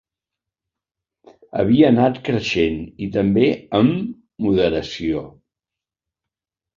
Havia anat creixent, i també am moderació.